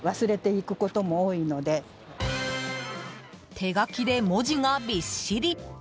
手書きで文字がびっしり！